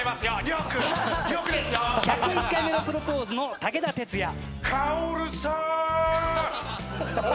『１０１回目のプロポーズ』の武田鉄矢。